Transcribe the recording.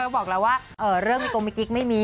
บอกแล้วว่าเรื่องมีกลมมิกิ๊กไม่มี